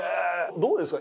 どうですか？